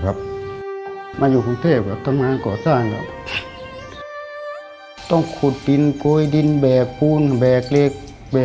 พ่อพ่อมาหางานในกรงเทพฯนะครับ